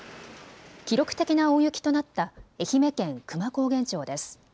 記録的な大雪となった愛媛県久万高原町です。